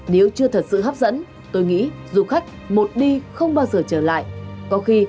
nếu chưa thật sự hấp dẫn tôi nghĩ du khách một đi không bao giờ trở lại